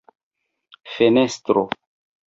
fenestro